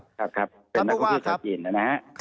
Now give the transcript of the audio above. เป็นประกอบวาลภาพจรรย์จากจีนนะฮะ